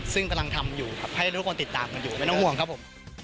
ซึ่งกำลังทำอยู่ครับให้ทุกคนติดตามกันอยู่ไม่ต้องห่วงครับผม